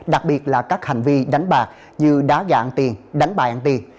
đặc biệt là các hành vi đánh bạc như đá gà tiền đánh bài ăn tiền